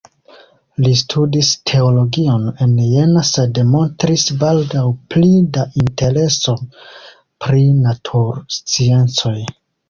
Li studis teologion en Jena sed montris baldaŭ pli da intereso pri natursciencoj.